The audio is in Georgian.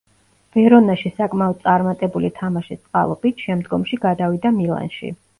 ვერონაში საკმაოდ წარმატებული თამაშის წყალობით, შემდგომში გადავიდა „მილანში“.